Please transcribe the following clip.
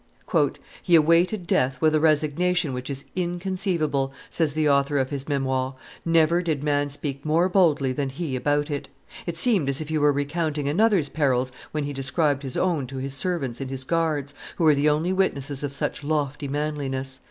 "He awaited death with a resignation which is inconceivable," says the author of his Memoires; "never did man speak more boldly than he about it; it seemed as if he were recounting another's perils when he described his own to his servants and his guards, who were the only witnesses of such lofty manliness."